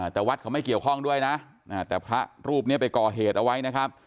แต่วัดเขาไม่เกี่ยวข้องด้วยนะแต่พระรูปนี้ไปก่อเหตุเอาไว้นะครับ